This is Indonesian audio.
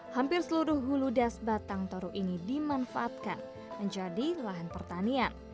hampir seluruh hulu das batang toru ini dimanfaatkan menjadi lahan pertanian